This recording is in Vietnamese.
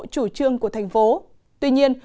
chủ trương của thành phố tuy nhiên